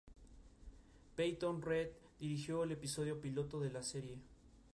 Peyton Reed dirigió el episodio "Piloto" de la serie.